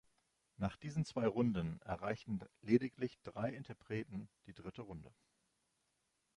Nach diesen zwei Runden erreichten lediglich drei Interpreten die dritte Runde.